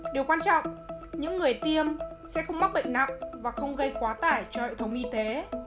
điều quan trọng những người tiêm sẽ không mắc bệnh nặng và không gây quá tải cho hệ thống y tế